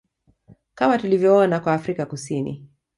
Kama tulivyoona kwa Afrika Kusini